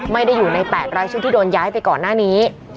ไม่ได้อยู่ใน๘รายชื่อที่โดนย้ายไปก่อนหน้านี้